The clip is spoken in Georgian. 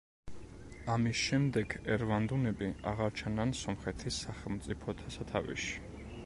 ამის შემდეგ ერვანდუნები აღარ ჩანან სომხეთის სახელმწიფოთა სათავეში.